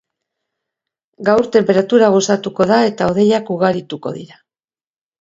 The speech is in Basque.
Gaur tenperatura gozatuko da eta hodeiak ugarituko dira.